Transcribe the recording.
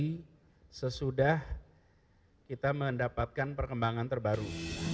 jadi sesudah kita mendapatkan perkembangan terbaru